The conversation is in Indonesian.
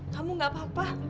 kamu gak apa apa